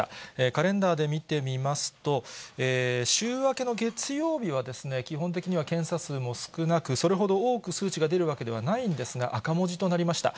カレンダーで見てみますと、週明けの月曜日は、基本的には検査数も少なく、それほど多く数値が出るわけではないんですが、赤文字となりました。